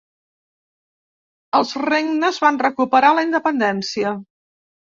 Els regnes van recuperar la independència.